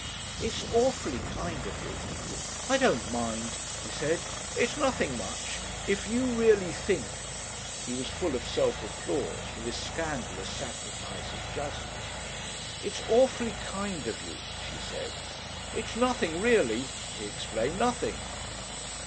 "It's awfully kind of you." "I don't mind," he said. "It's nothing much. If you really think ..." He was full of self applause for this scandalous sacrifice of justice. "It's awfully kind of you," she said. "It's nothing, really," he explained, "nothing."